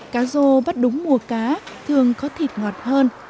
cá rô bắt đúng mùa cá thường có thịt ngọt hơn